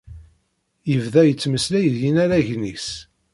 Yebda yettmeslay d yinaragen-is.